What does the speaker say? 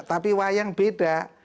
tapi wayang beda